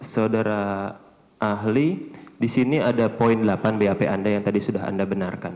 saudara ahli di sini ada poin delapan bap anda yang tadi sudah anda benarkan